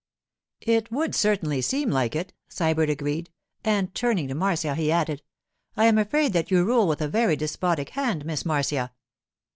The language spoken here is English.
'It would certainly seem like it,' Sybert agreed. And turning to Marcia, he added, 'I am afraid that you rule with a very despotic hand, Miss Marcia.